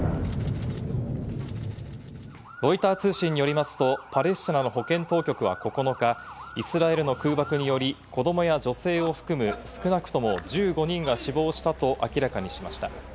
ロイター通信によりますとパレスチナの保健当局は９日、イスラエルの空爆により子供や女性を含む少なくとも１５人が死亡したと明らかにしました。